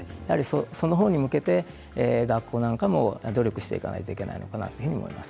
その方に向けて学校なんかも努力していかなくてはいけないのかなと思います。